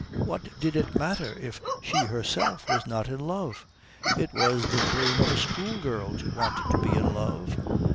What did it matter if she herself was not in love? It was the dream of a schoolgirl to want to be in love.